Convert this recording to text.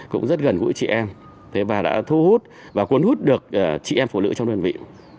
cũng rất gần gũi chị em và đã thu hút và cuốn hút được chị em phụ nữ trong đơn vị